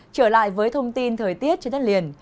trở lại với thông tin thời tiết trên đất liền